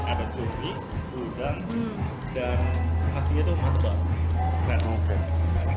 ada tumi udang dan makasinya tuh enak banget